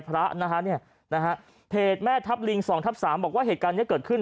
พระนะฮะเนี่ยนะฮะเพจแม่ทัพลิง๒ทับ๓บอกว่าเหตุการณ์นี้เกิดขึ้น